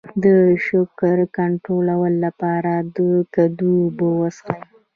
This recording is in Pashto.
د شکر کنټرول لپاره د کدو اوبه وڅښئ